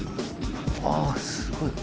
ああすごい。